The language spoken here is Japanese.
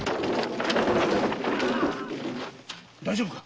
大丈夫か！？